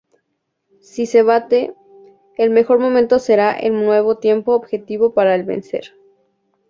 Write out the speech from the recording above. Si se bate, el mejor momento será el nuevo tiempo objetivo para vencer.